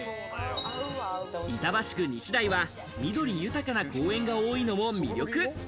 板橋区西台は、緑豊かな公園が多いのも魅力。